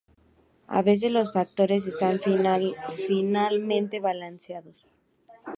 A veces los factores están finamente balanceados.